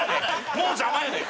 もう邪魔やねん！